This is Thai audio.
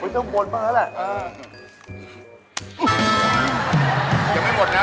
เจ้าบนบ้างกันแล้ว